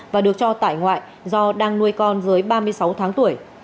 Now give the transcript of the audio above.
và được cho tại ngoại do đang nuôi con dưới ba mươi sáu tháng tuổi